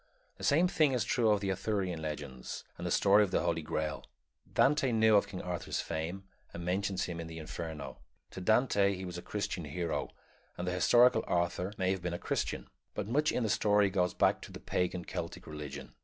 The same thing is true of the Arthurian Legend and the story of the Holy Grail. Dante knew of King Arthur's fame, and mentions him in the Inferno. To Dante he was a Christian hero, and the historical Arthur may have been a Christian; but much in the story goes back to the pagan Celtic religion.